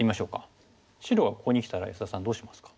白がここにきたら安田さんどうしますか？